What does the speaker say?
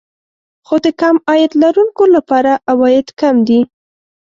خو د کم عاید لرونکو لپاره عواید کم دي